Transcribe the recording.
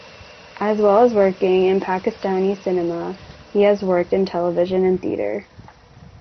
As well as working in Pakistani cinema he has worked in television and theater.